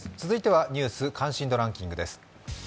続いては「ニュース関心度ランキング」です。